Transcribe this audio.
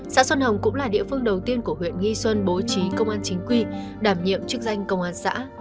xã xuân hồng cũng là địa phương đầu tiên của huyện nghi xuân bố trí công an chính quy đảm nhiệm chức danh công an xã